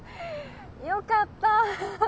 よかった。